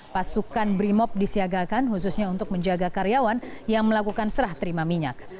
pasukan brimop disiagakan khususnya untuk menjaga karyawan yang melakukan serah terima minyak